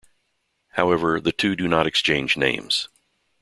However, the two do not exchange names.